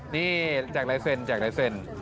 นี่แจกลายเซ็น